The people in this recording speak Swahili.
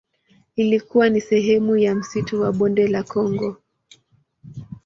Ilikuwa ni sehemu ya msitu wa Bonde la Kongo.